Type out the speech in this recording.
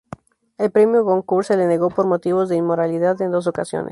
El premio Goncourt se le negó por motivos de inmoralidad en dos ocasiones.